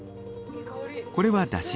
これはだし。